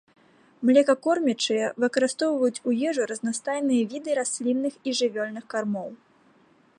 Млекакормячыя выкарыстоўваюць у ежу разнастайныя віды раслінных і жывёльных кармоў.